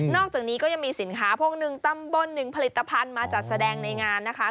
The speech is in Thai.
อกจากนี้ก็ยังมีสินค้าพวก๑ตำบล๑ผลิตภัณฑ์มาจัดแสดงในงานนะคะ